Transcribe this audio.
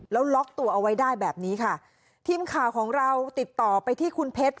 แล้วล็อกตัวเอาไว้ได้แบบนี้ค่ะทีมข่าวของเราติดต่อไปที่คุณเพชร